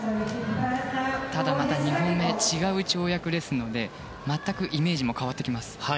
ただ、また２本目違う跳躍ですので全くイメージも変わってきます。